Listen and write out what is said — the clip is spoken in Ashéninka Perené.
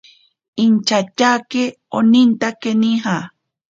Inchatyake onintake nija.